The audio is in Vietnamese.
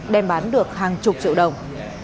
đem bán được hàng chục triệu đồng